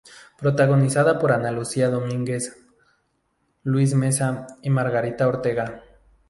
Protagonizada por Ana Lucía Domínguez, Luis Mesa y Margarita Ortega.